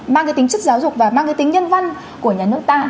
mang cái tính chất giáo dục và mang cái tính nhân văn của nhà nước ta